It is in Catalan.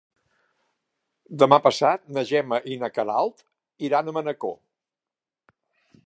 Demà passat na Gemma i na Queralt iran a Manacor.